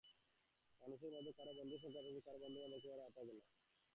মানুষের মধ্যে কারও বন্ধুর সংখ্যা বেশি, আবার কারও বন্ধুবান্ধব একেবারে হাতে গোনা।